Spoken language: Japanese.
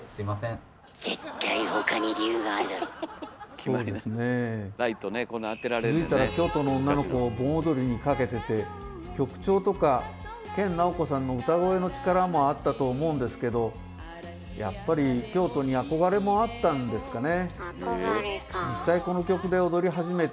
気付いたら「京都の女の子」を盆踊りにかけてて曲調とか研ナオコさんの歌声の力もあったと思うんですけどやっぱり京都に憧れもあったんですかね。